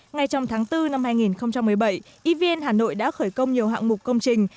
ngay trong tháng bốn năm hai nghìn một mươi bảy evn hà nội đã khởi công nhiều hạng mục công trình